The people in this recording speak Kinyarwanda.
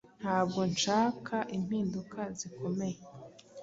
Ntabwo nhaka impinduka zikomeye